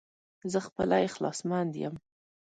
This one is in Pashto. زه خپله اخلاص مند يم